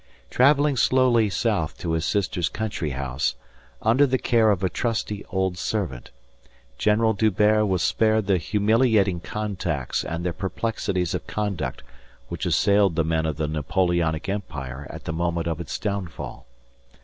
Travelling slowly south to his sister's country house, under the care of a trusty old servant, General D'Hubert was spared the humiliating contacts and the perplexities of conduct which assailed the men of the Napoleonic empire at the moment of its downfall.